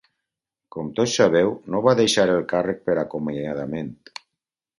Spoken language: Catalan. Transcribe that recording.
Com tots sabeu, no va deixar el càrrec per acomiadament.